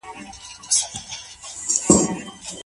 پښتنو په خپلو سیمو کې کورنۍ خپلواکي درلوده.